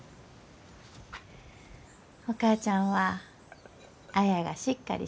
お母ちゃんは綾がしっかりしゆうき